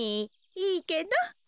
いいけど。